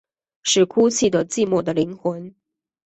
是哭泣的寂寞的灵魂